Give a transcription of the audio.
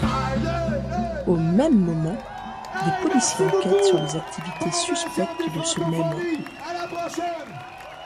Au même moment, des policiers enquêtent sur les activités suspectes de ce même homme...